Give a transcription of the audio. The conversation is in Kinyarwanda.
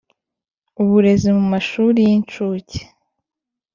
uburezi mu mashuri y incuke